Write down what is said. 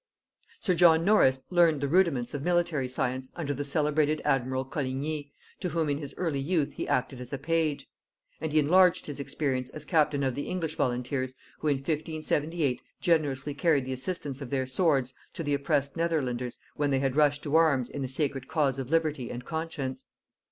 Sir John Norris learned the rudiments of military science under the celebrated admiral Coligni, to whom in his early youth he acted as a page; and he enlarged his experience as captain of the English volunteers who in 1578 generously carried the assistance of their swords to the oppressed Netherlanders when they had rushed to arms in the sacred cause of liberty and conscience.